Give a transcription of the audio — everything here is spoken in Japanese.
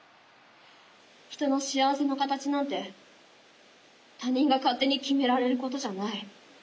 人の幸せの形なんて他人が勝手に決められることじゃない。